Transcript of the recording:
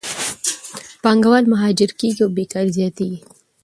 پانګهوال مهاجر کېږي او بیکارۍ زیاتېږي.